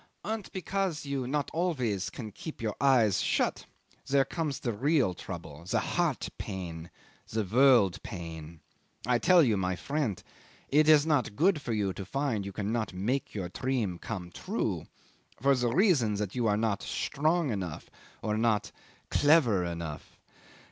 '"And because you not always can keep your eyes shut there comes the real trouble the heart pain the world pain. I tell you, my friend, it is not good for you to find you cannot make your dream come true, for the reason that you not strong enough are, or not clever enough.